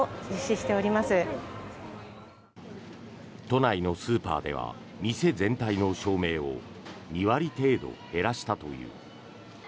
都内のスーパーでは店全体の照明を２割程度減らしたという。